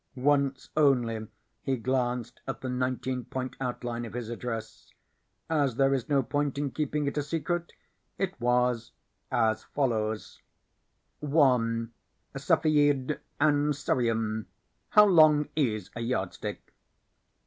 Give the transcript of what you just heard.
Once only he glanced at the nineteen point outline of his address. As there is no point in keeping it a secret, it was as follows: 1. Cepheid and Cerium How Long Is a Yardstick?